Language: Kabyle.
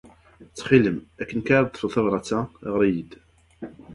Ttxil-m, akken kan ara d-teḍḍfed tabṛat-a, ɣer-iyi-d.